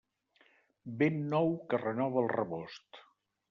Vent nou que renova el rebost.